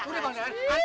udah bang dahlan